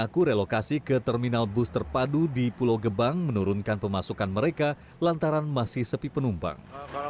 mengaku relokasi ke terminal bus terpadu di pulau gebang menurunkan pemasukan mereka lantaran masih sepi penumpang